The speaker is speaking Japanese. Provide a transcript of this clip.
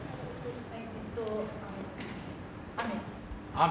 雨。